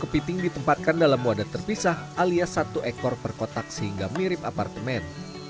kepiting ditempatkan dalam wadah terpisah alias satu ekor per kotak sehingga mirip apartemen